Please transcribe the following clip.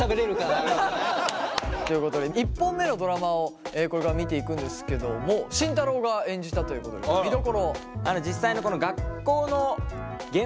みたいな。ということで１本目のドラマをこれから見ていくんですけども慎太郎が演じたということで見どころを。